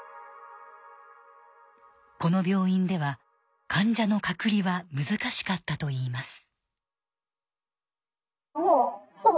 この病院では患者の隔離は難しかったといいます。